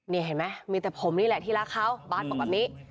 นี่เห็นไหมมีแต่ผมนี่แหละที่รักเขาบาสบอกแบบนี้